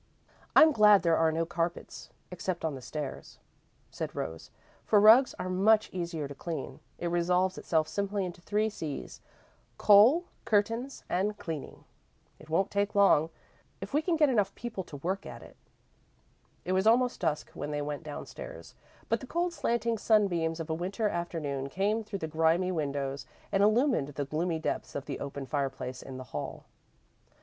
"I'm glad there are no carpets, except on the stairs," said Rose, "for rugs are much easier to clean. It resolves itself simply into three C's coal, curtains, and cleaning. It won't take long, if we can get enough people to work at it." It was almost dusk when they went downstairs, but the cold slanting sunbeams of a Winter afternoon came through the grimy windows and illumined the gloomy depths of the open fireplace in the hall.